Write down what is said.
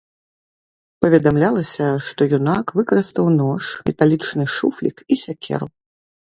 Паведамлялася, што юнак выкарыстаў нож, металічны шуфлік і сякеру.